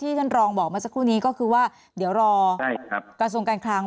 ท่านรองบอกเมื่อสักครู่นี้ก็คือว่าเดี๋ยวรอกระทรวงการคลัง